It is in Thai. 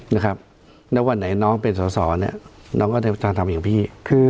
แล้ววันไหนน้องเป็นสอสอเนี่ยน้องก็จะทำอย่างพี่